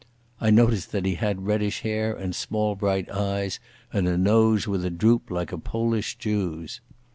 I noticed that he had reddish hair, and small bright eyes, and a nose with a droop like a Polish Jew's.